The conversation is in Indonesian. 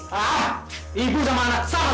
hah ibu sama anak salah saja keras kepala